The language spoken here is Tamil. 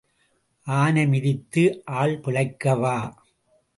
ஆனை மிதித்து ஆள் பிழைக்கவா?